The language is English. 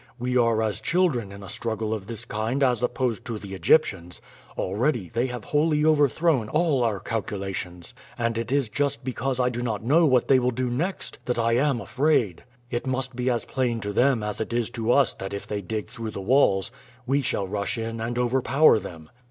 We are as children in a struggle of this kind as opposed to the Egyptians. Already they have wholly overthrown all our calculations, and it is just because I do not know what they will do next that I am afraid. It must be as plain to them as it is to us that if they dig through the walls we shall rush in and overpower them."